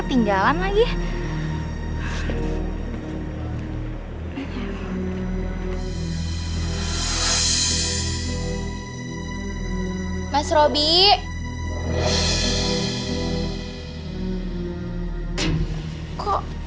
pada basah gini sih